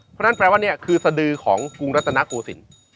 เพราะฉะนั้นแปลว่านี่คือสดือของกรุงรัฐนาโกศิลป์